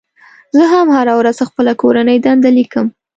زه هم هره ورځ خپله کورنۍ دنده لیکم.